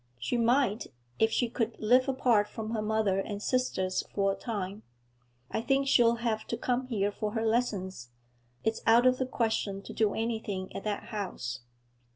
'She might, if she could live apart from her mother and sisters for a time. I think she'll have to come here for her lessons; it's out of the question to do anything at that house.'